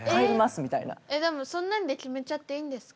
でもそんなんで決めちゃっていいんですか？